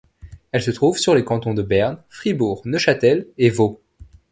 Elle se trouve sur les cantons de Berne, Fribourg, Neuchâtel et Vaud.